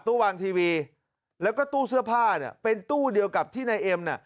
วางทีวีแล้วก็ตู้เสื้อผ้าเนี่ยเป็นตู้เดียวกับที่นายเอ็มน่ะ